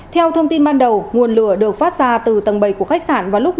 theo thông tin ban đầu nguồn lửa được phát ra từ tầng bảy của khách sạn vào lúc một mươi một h ba mươi